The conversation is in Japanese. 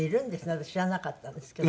私知らなかったですけど。